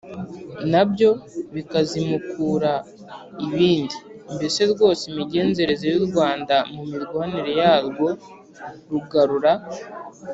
nabyo bikazimukura ibindi. mbese rwose imigenzereze y’u rwanda mu mirwanire yarwo rugarura